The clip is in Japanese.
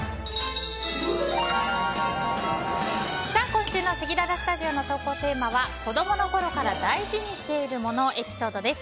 今週のせきららスタジオの投稿テーマは子供の頃から大事にしている物エピソードです。